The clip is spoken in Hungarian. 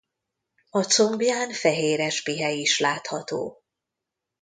A combján fehéres pihe is látható.